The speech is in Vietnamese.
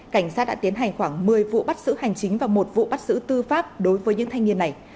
cảnh sát đã tiến hành khoảng một mươi vụ bắt xử hành chính và một vụ bắt xử tư pháp đối với những thanh niên này